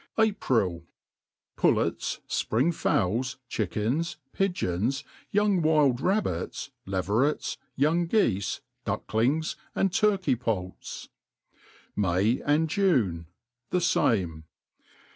April, Pullets, fpring fowls, chickens, pigeons, young wild rabbits, leverets, young geefe, ducklings, and turkey poults. May, and June. The fame.